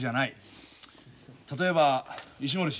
例えば石森氏。